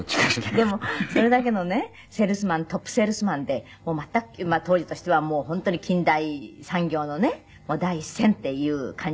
でもそれだけのねセールスマントップセールスマンで当時としてはもう本当に近代産業のね第一線っていう感じで。